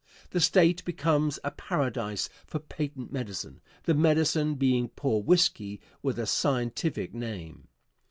The State becomes a paradise for patent medicine the medicine being poor whiskey with a scientific name.